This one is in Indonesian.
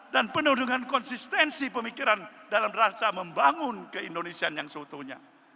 dan penuh dengan konsistensi pemikiran dalam rasa membangun keindonesian yang seutuhnya